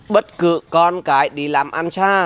bất cứ con cái đi làm ăn xa